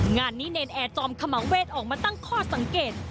งานนี้เนรนแอร์จอมขมังเวศออกมาตั้งข้อสังเกต